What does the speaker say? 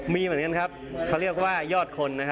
มีเหมือนกันครับเขาเรียกว่ายอดคนนะฮะ